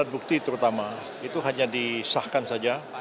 alat bukti terutama itu hanya disahkan saja